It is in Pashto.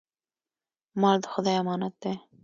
مال د خدای امانت دی.